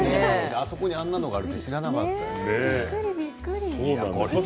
あそこにあんなのがあるなんて知らなかったですよね。